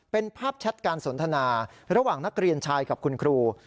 เป็นภาพแชทการสนทนาระหว่างนักเรียนชายกับคุณครู